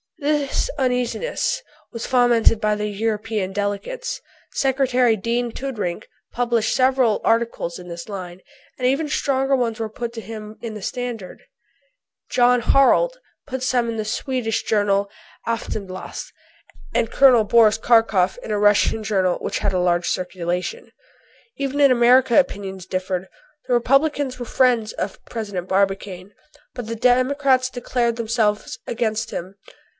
This uneasiness was fomented by the European delegates. Secretary Dean Toodrink published several articles in this line, and even stronger ones were put by him in the Standard. Jan Harald put some in the Swedish journal Aftenbladt, and Col. Boris Karkof in a Russian journal which had a large circulation. Even in America opinions differed. The Republicans were friends of President Barbicane, but the Democrats declared themselves against him.